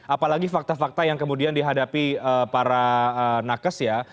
apalagi fakta fakta yang kemudian dihadapi para nakes ya